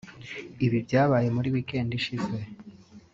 ibi byabaye muri weekend ishize